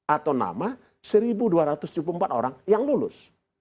atau nama satu dua ratus tujuh puluh empat orang yang lulus